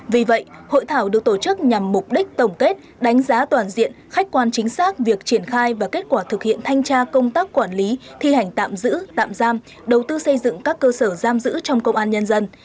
vì vậy hội thảo được tổ chức nhằm mục đích tổng kết đánh giá toàn diện khách quan chính xác việc triển khai và kết quả thực hiện thanh tra công tác quản lý thi hành tạm giữ tạm giam đầu tư xây dựng các cơ sở giam giữ trong công an nhân dân